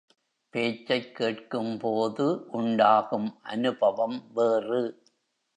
பேச்சைக் கேட்கும்போது உண்டாகும் அநுபவம் வேறு.